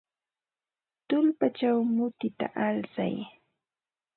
Tullpachaw mutita alsay.